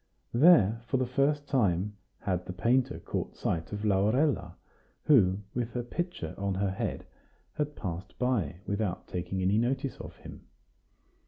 There, for the first time, had the painter caught sight of Laurella, who, with her pitcher on her head, had passed by without taking any notice of him.